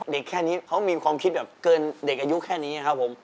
แค่นี้เขามีความคิดแบบเกินเด็กอายุแค่นี้ครับผม